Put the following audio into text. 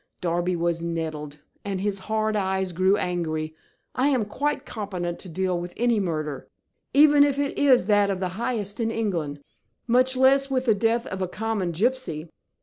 Darby was nettled, and his hard eyes grew angry. "I am quite competent to deal with any murder, even if it is that of the highest in England, much less with the death of a common gypsy."